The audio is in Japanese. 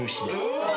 うわ！